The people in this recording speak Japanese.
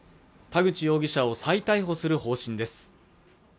田口容疑者を再逮捕する方針です